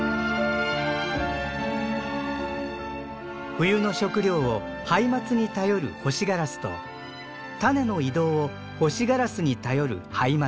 冬の食料をハイマツに頼るホシガラスと種の移動をホシガラスに頼るハイマツ。